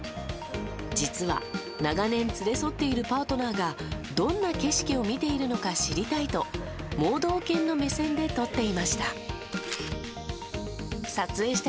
実は長年連れ添っているパートナーがどんな景色を見ているのか知りたいと盲導犬の目線で撮っていました。